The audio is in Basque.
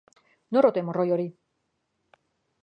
Nor ote morroi hori?